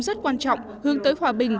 rất quan trọng hướng tới hòa bình